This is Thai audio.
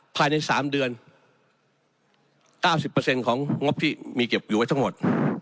ภายใน๓เดือน๙๐ของงบที่มีเก็บอยู่ไว้ทั้งหมด